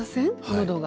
喉が。